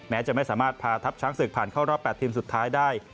จะไม่สามารถพาทัพช้างศึกผ่านเข้ารอบ๘ทีมสุดท้ายได้